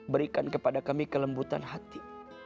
berikan kepada kami kelembutan hati